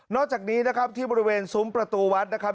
จากนี้นะครับที่บริเวณซุ้มประตูวัดนะครับ